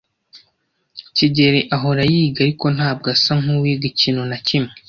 kigeli ahora yiga, ariko ntabwo asa nkuwiga ikintu na kimwe.